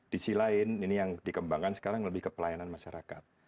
di sisi lain ini yang dikembangkan sekarang lebih ke pelayanan masyarakat